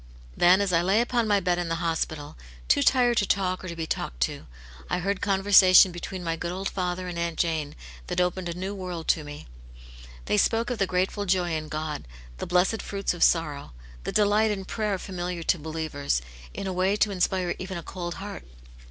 Then as I lay upon my bed in the hospital, too tired to talk or to be talked to, I heard conversation between my good old father and Aunt Jane, that opened a new world to me. They spoke of the grateful joy in God, the blessed fruits of sorrow, the delight in prayer familiar to believers, in a way to inspire even a cold heart.